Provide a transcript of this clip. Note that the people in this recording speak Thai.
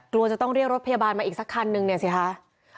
กลัวจะต้องเรียกรถพยาบาลมาอีกสักคันนึงเนี่ยสิคะ